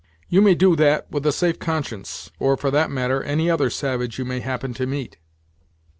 "You may do that with a safe conscience, or for that matter, any other savage you may happen to meet."